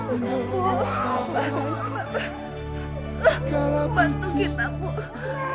ibu tidak berhasil menjadi kakak